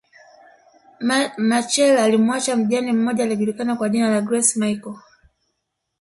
Machel alimuacha mjane mmoja aliyejulikana kwa jina la Graca Michael